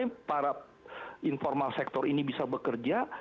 maka maka kan para informal sektor ini bisa bekerja